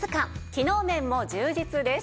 機能面も充実です。